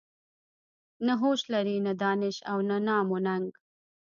نه هوش لري نه دانش او نه نام و ننګ.